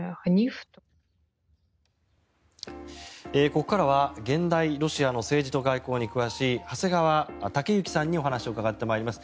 ここからは現代ロシアの政治と外交に詳しい長谷川雄之さんにお話を伺ってまいります。